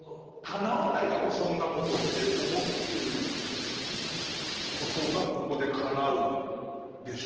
かなわないだろそんなことって思ってることがここでかなうんでしょうね。